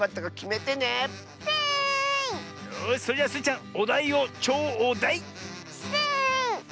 よしそれじゃスイちゃんおだいをちょう「だい」。スイ！